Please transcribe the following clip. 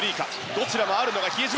どちらもあるのが比江島。